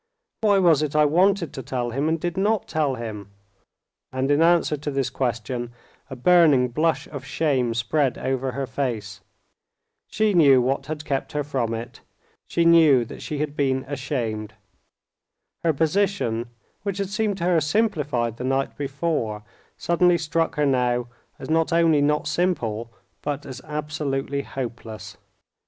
Why was it I wanted to tell him and did not tell him?" And in answer to this question a burning blush of shame spread over her face. She knew what had kept her from it, she knew that she had been ashamed. Her position, which had seemed to her simplified the night before, suddenly struck her now as not only not simple, but as absolutely hopeless.